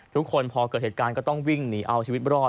ทุกคนพอเกิดเหตุการณ์ก็ต้องวิ่งหนีเอาชีวิตรอด